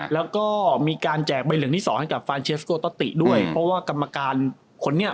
แล้วก็มีการแจกใบเหลืองที่สองให้กับฟานเชสโกตะติด้วยเพราะว่ากรรมการคนนี้